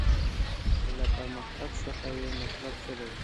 له پرمختګ څخه یې مطلب څه دی.